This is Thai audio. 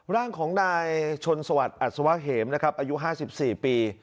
ร่างของนายชนสวัสดิ์อัศวะเหมนะครับอายุ๕๔ปี